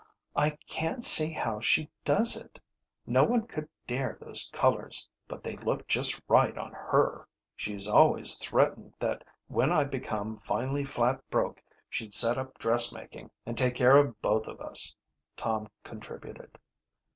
"I can't see how she does it. No one could dare those colours, but they look just right on her." "She's always threatened that when I became finally flat broke she'd set up dressmaking and take care of both of us," Tom contributed.